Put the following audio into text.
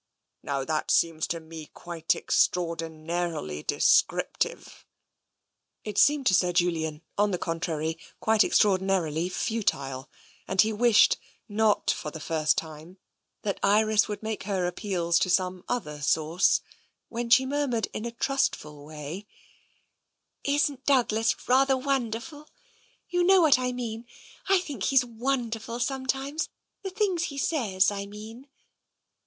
Now, that seems to me quite exr traordinarily descriptive." It seemed to Sir Julian, on the contrary, quite ex traordinarily futile, and he wished, not for the first 2o8 TENSION time, that Iris would make her appeals to some other source, when she murmured in a trustful way: " Isn't Douglas rather wonderful ? You know what I mean — I think he's wonderful, sometimes. The things he says, I mean."